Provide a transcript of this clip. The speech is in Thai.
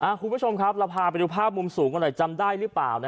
คุณผู้ชมครับเราพาไปดูภาพมุมสูงกันหน่อยจำได้หรือเปล่า